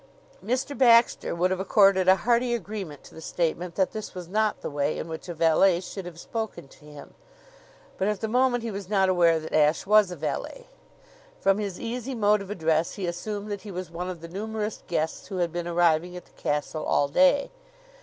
Mr. Baxter would have accorded a hearty agreement to the statement that this was not the way in which a valet should have spoken to him; but at the moment he was not aware that Ashe was a valet. From his easy mode of address he assumed that he was one of the numerous guests who had been arriving at the castle all day.